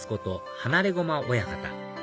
放駒親方